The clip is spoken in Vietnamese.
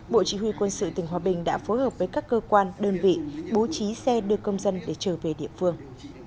bộ chỉ huy quân sự tỉnh hòa bình đã phối hợp với các cơ quan đơn vị bố trí xe đưa công dân để trở về địa phương